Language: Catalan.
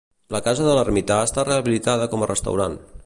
La casa de l'ermità està rehabilitada com a restaurant.